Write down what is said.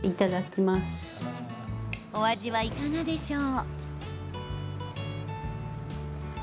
お味はいかがでしょう？